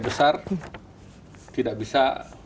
besar tidak bisa